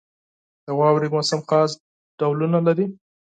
• د واورې موسم خاص ډولونه لري.